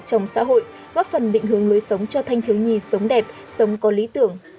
trong xã hội góp phần định hướng lối sống cho thanh thiếu nhi sống đẹp sống có lý tưởng